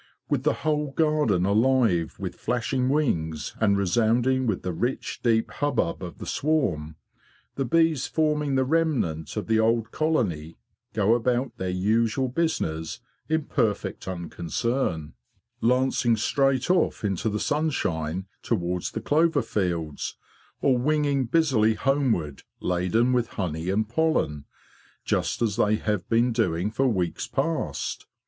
With the whole garden alive with flashing wings, and resounding with the rich deep hubbub of the swarm, the bees forming the remnant of the old colony go about their usual business in perfect unconcern, lancing straight off into the sun shine towards the clover fields, or winging busily homeward laden with honey and pollen, just as they have been doing for weeks past.